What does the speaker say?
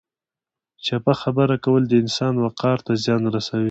چپه خبره کول د انسان وقار ته زیان رسوي.